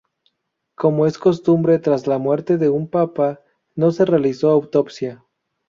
Como es costumbre tras la muerte de un papa, no se realizó autopsia.